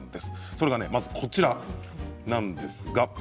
それがまず、こちらです。